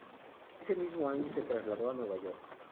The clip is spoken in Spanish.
Ese mismo año se trasladó a Nueva York.